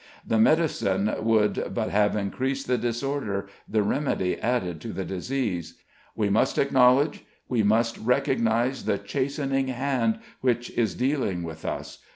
The medicine would but have increased the disorder, the remedy added to the disease. We must acknowledge we must recognize the Chastening Hand which is dealing with us.